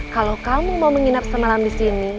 kalau kamu mau menginap semalam disini